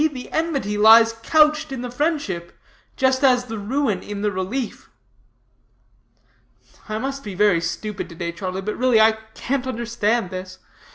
The enmity lies couched in the friendship, just as the ruin in the relief." "I must be very stupid to day, Charlie, but really, I can't understand this.